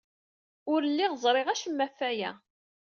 Ur lliɣ ẓriɣ acemma ɣef waya.